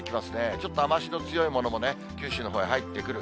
ちょっと雨足の強いものも、九州のほうへ入ってくる。